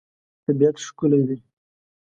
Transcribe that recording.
طبیعت ښکلی دی.